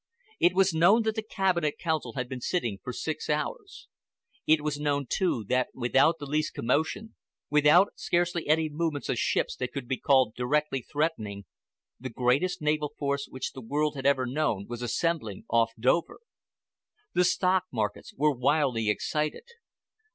It was known that the Cabinet Council had been sitting for six hours. It was known, too, that without the least commotion, with scarcely any movements of ships that could be called directly threatening, the greatest naval force which the world had ever known was assembling off Dover. The stock markets were wildly excited.